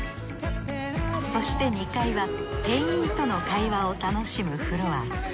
そして２階は店員との会話を楽しむフロア。